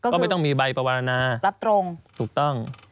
ก็ไม่ต้องมีใบปรวรณาถูกต้อง